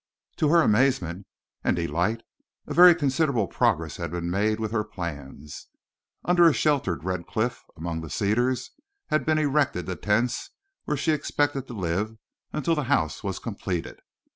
To her amazement and delight, a very considerable progress had been made with her plans. Under a sheltered red cliff among the cedars had been erected the tents where she expected to live until the house was completed.